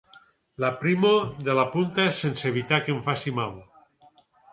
L'aprimo de la punta sense evitar que em faci mal.